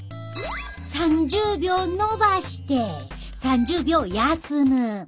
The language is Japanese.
３０秒のばして３０秒休む。